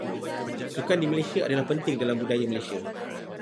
Sukan di Malaysia adalah penting dalam budaya Malaysia.